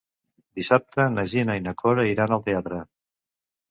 Dissabte na Gina i na Cora iran al teatre.